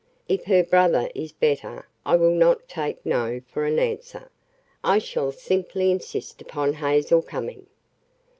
If her brother is better I will not take 'no' for an answer. I shall simply insist upon Hazel coming."